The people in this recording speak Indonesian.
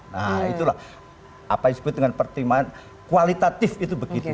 nah itulah apa yang disebut dengan pertimbangan kualitatif itu begitu